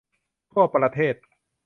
ทั่วประเทศ